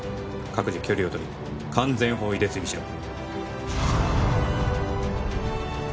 各自距離をとり完全包囲で追尾しろ